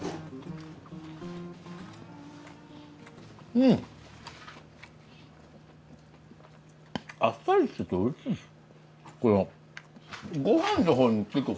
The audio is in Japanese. うん！あっさりしてておいしいです。